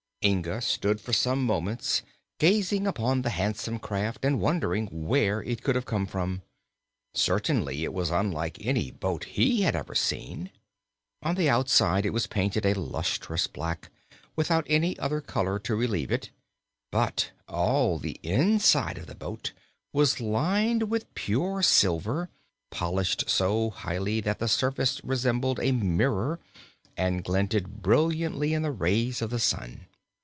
Inga stood for some moments gazing upon the handsome craft and wondering where it could have come from. Certainly it was unlike any boat he had ever seen. On the outside it was painted a lustrous black, without any other color to relieve it; but all the inside of the boat was lined with pure silver, polished so highly that the surface resembled a mirror and glinted brilliantly in the rays of the sun.